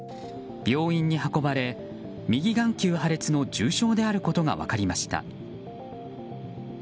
病院に運ばれ右眼球破裂の重傷であることが分かりました。